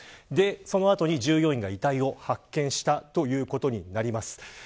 その後に従業員が遺体を発見したということになります。